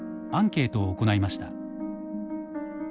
アンケートを行いました。